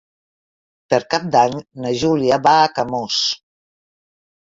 Per Cap d'Any na Júlia va a Camós.